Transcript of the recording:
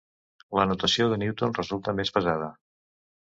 La notació de Newton resulta més pesada.